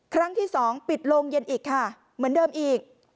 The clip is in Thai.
ครั้งที่๒ปิดโรงเย็นอีกค่ะเหมือนเดิมอีก